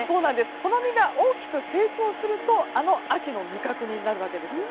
この実が大きく成長するとあの秋の味覚になるわけです。